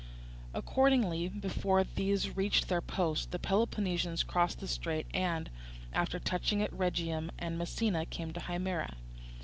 Accordingly, before these reached their post, the Peloponnesians crossed the strait and, after touching at Rhegium and Messina, came to Himera.